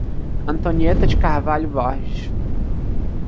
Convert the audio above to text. Antonieta de Carvalho Borges